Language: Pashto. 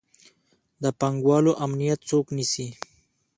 د پانګوالو امنیت څوک نیسي؟